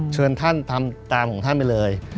เชิญท่านทำตามของท่านไปเลย